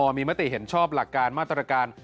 โดยคอนรมอล์มีมติเห็นชอบหลักการมาตรการ